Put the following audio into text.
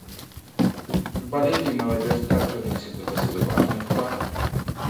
В Боливии молодежь также вносит в это свой важный вклад.